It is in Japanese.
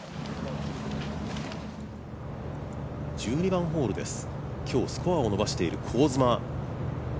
１２番ホールです、今日スコアを伸ばしている香妻。